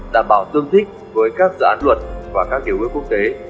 đảm bảo tương thích với các dự án luật và các điều ước quốc tế